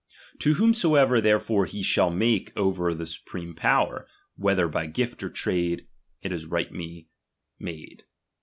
To whomsoever therefore I he shall make over the supreme power, whether i by gift or sale, it is rightly made.